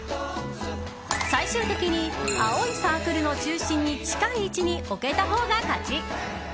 最終的に青いサークルの中心に近い位置に置けたほうが勝ち！